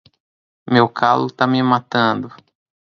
Meu calo tá me matando.